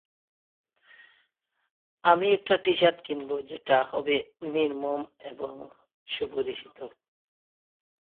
পাটুলি মহিলা থানা একই ঠিকানায় দক্ষিণ শহরতলির বিভাগের অধীনস্থ সমস্ত পুলিশ জেলাতে এখতিয়ার পেয়েছে।